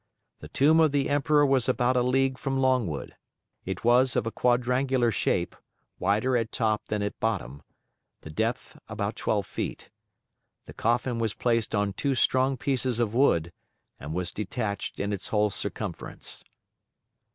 The tomb of the Emperor was about a league from Longwood. It was of a quadrangular shape, wider at top than at bottom; the depth about twelve feet. The coffin was placed on two strong pieces of wood, and was detached in its whole circumference.